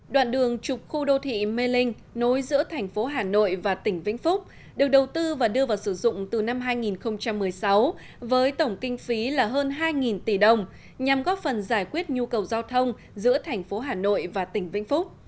đoạn đường trục khu đô thị mê linh nối giữa thành phố hà nội và tỉnh vĩnh phúc được đầu tư và đưa vào sử dụng từ năm hai nghìn một mươi sáu với tổng kinh phí là hơn hai tỷ đồng nhằm góp phần giải quyết nhu cầu giao thông giữa thành phố hà nội và tỉnh vĩnh phúc